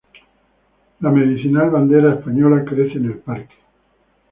La medicinal bandera española crece en el parque.